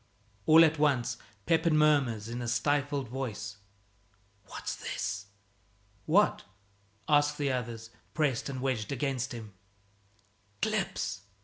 All at once Pepin murmurs in a stifled voice, "What's this?" "What?" ask the others, pressed and wedged against him. "Clips!"